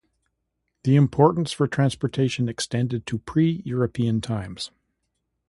The importance for transportation extended to pre-European times.